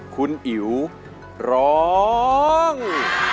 คุณอิ๋วร้อง